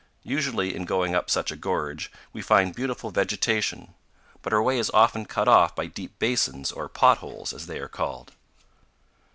Usually, in going up such a gorge, we find beautiful vegetation; but our way is often cut off by deep basins, or "potholes," as they are called.